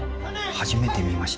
初めて見ました。